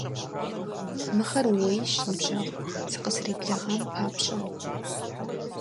Мыхэр ууейщ, ныбжьэгъу, сыкъызэребгъэлам папщӀэ!